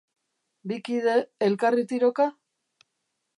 Bi kide... elkarri tiroka?.